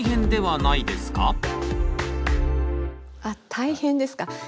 あっ大変ですか。